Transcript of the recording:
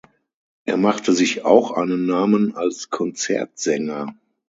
Er machte sich auch einen Namen als Konzertsänger.